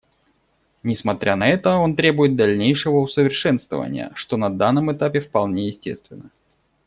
Несмотря на это, он требует дальнейшего усовершенствования, что на данном этапе вполне естественно.